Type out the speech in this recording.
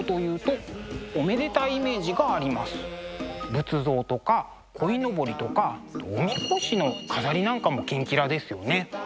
仏像とかこいのぼりとかおみこしの飾りなんかもキンキラですよね。